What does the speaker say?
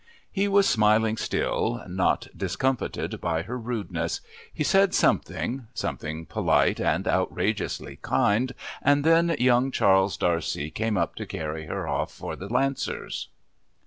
He was smiling still not discomfited by her rudeness. He said something something polite and outrageously kind and then young Charles D'Arcy came up to carry her off for the Lancers.